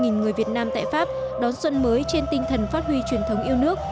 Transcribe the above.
ba trăm linh người việt nam tại pháp đón xuân mới trên tinh thần phát huy truyền thống yêu nước